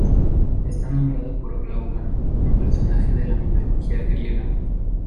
Está nombrado por Glauca, un personaje de la mitología griega.